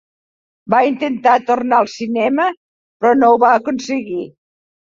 Va intentar tornar al cinema però no ho va aconseguir.